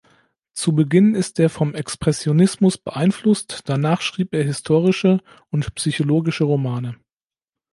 Zu Beginn ist er vom Expressionismus beeinflusst, danach schrieb er historische und psychologische Romane.